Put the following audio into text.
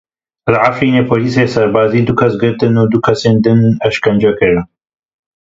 Li Efrînê polîsên serbazî du kes girtin û du kesên din îşkence kirin.